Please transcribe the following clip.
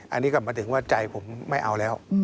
อันนี้ก็มาถึงว่าใจผมไม่เอาแล้ว